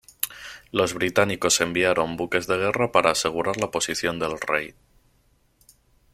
Los británicos enviaron buques de guerra para asegurar la posición del rey.